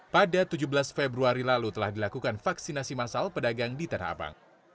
pada tujuh belas februari lalu telah dilakukan vaksinasi masal pedagang di tanah abang